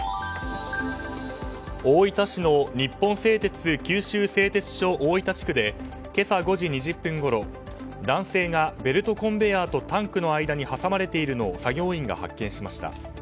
大分市の日本製鉄九州製鉄所大分地区で今朝５時２０分ごろ男性がベルトコンベヤーとタンクの間に挟まれているのを作業員が発見しました。